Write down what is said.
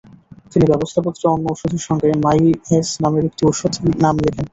তিনি ব্যবস্থাপত্রে অন্য ওষুধের সঙ্গে মাই-এস নামের একটি ওষুধের নাম লেখেন।